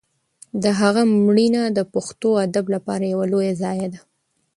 د هغه مړینه د پښتو ادب لپاره یوه لویه ضایعه ده.